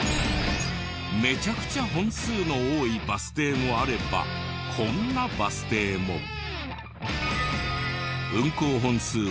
めちゃくちゃ本数の多いバス停もあればこんなバス停も。